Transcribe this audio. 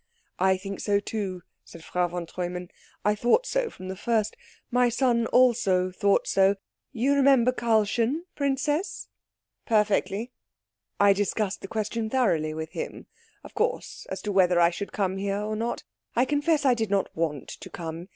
"I think so too," said Frau von Treumann; "I thought so from the first. My son also thought so. You remember Karlchen, princess?" "Perfectly." "I discussed the question thoroughly with him, of course, as to whether I should come here or not. I confess I did not want to come.